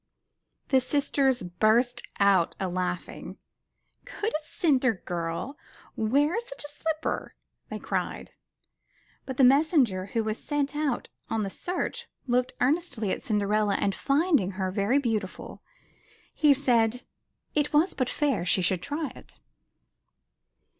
The sisters burst out a laughing. Could a cinder girl wear such a slipper?'* they cried. But the mes senger who was sent out on the search, looked earnestly at Cinderella, and, finding her very beautiful, he said it was but fair she should try it.